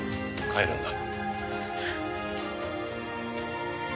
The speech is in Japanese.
帰るんだ！